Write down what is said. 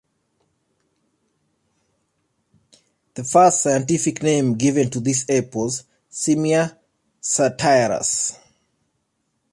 The first scientific name given to this ape was "Simia satyrus".